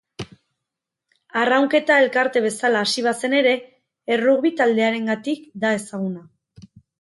Arraunketa elkarte bezala hasi bazen ere errugbi taldearengatik da ezaguna.